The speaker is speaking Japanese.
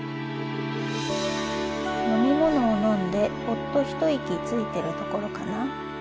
のみものをのんでほっとひといきついてるところかな。